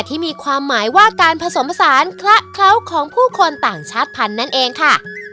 ที่มีความหมายว่าการผสมผสานคละเคล้าของผู้คนต่างชาติพันธุ์นั่นเองค่ะ